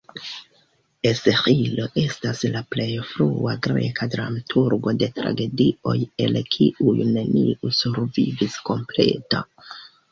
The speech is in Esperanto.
Esĥilo estas la plej frua greka dramaturgo de tragedioj el kiuj neniu survivis kompleta.